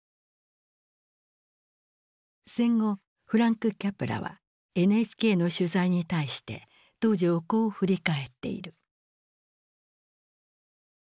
戦後フランク・キャプラはＮＨＫの取材に対して当時をこう振り返っている。